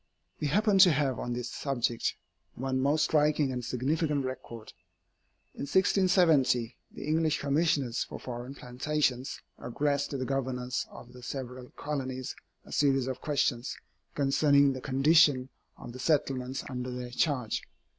We happen to have on this subject one most striking and significant record. In 1670, the English Commissioners for Foreign Plantations addressed to the Governors of the several colonies a series of questions concerning the condition of the settlements under their charge.